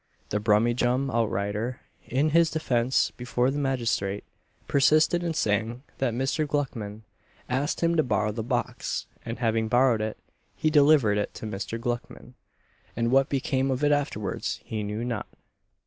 The Brummyjum outrider, in his defence before the magistrate, persisted in saying that Mr. Gluckman asked him to borrow the box, and having borrowed it, he delivered it to Mr. Gluckman; and what became of it afterwards he knew not.